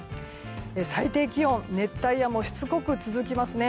最低気温熱帯夜もしつこく続きますね。